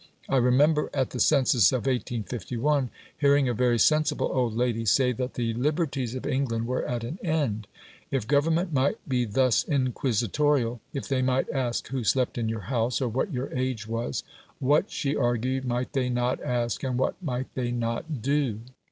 I remember at the census of 1851 hearing a very sensible old lady say that the "liberties of England were at an end"; if Government might be thus inquisitorial, if they might ask who slept in your house, or what your age was, what, she argued, might they not ask and what might they not do?